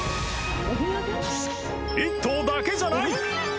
［１棟だけじゃない］